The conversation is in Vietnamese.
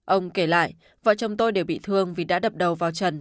ông kể lại vợ chồng tôi đều bị thương vì đã đập đầu vào trần